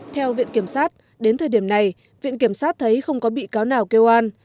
theo viện kiểm soát đến thời điểm này viện kiểm soát thấy không có bị cáo nào kêu an